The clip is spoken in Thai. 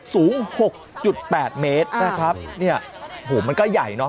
สูง๖๘เมตรครับโหมันก็ใหญ่เนอะ